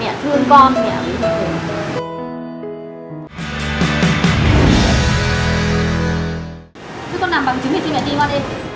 mẹ thương con mẹ thương mẹ